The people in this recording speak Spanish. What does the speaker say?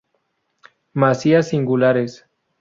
Masías singulares.